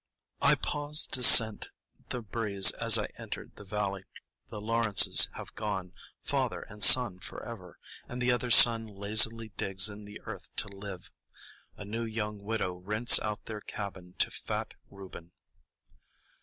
I paused to scent the breeze as I entered the valley. The Lawrences have gone,—father and son forever,—and the other son lazily digs in the earth to live. A new young widow rents out their cabin to fat Reuben.